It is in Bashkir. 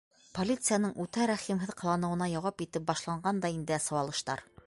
Полицияның үтә рәхимһеҙ ҡыланыуына яуап итеп башланған да инде сыуалыштар.